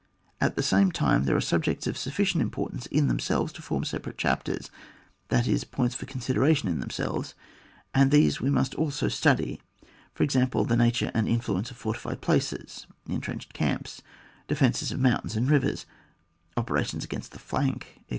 At the same time, there are subjects of sufficient importance in themselves to form separate chapters, that is, points for consideration in them selves, and these we must also study; for example, the nature and influence of fortified places, entrenched camps, de fence of mountains and rivers, operations against the flank, etc.